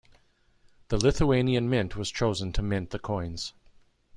The Lithuanian Mint was chosen to mint the coins.